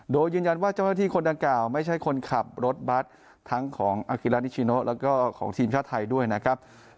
โดยยืนยันว่าเจ้าหน้าที่คนดังกล่าวไม่ใช่คนขับรถบัตรทั้งของอาคิลานิชิโนแล้วก็ของทีมชาติไทยด้วยนะครับ